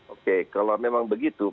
oke kalau memang begitu